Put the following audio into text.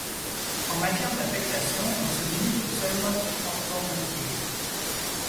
En matière d'affectation, on se limite au seul mode de transport routier.